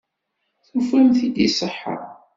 Tufamt-t-id iṣeḥḥa.